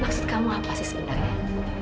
maksud kamu apa sih sebenarnya